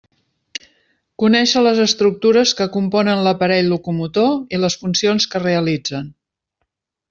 Conéixer les estructures que componen l'aparell locomotor i les funcions que realitzen.